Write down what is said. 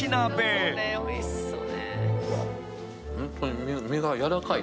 おいしそう。